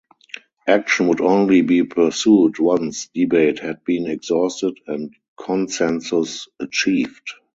Action would only be pursued once debate had been exhausted and consensus achieved.